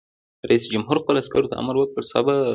رئیس جمهور خپلو عسکرو ته امر وکړ؛ صبر!